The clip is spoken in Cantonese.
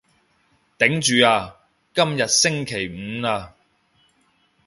頂住啊，今日星期五喇